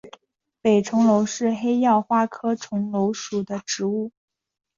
北重楼是黑药花科重楼属的植物。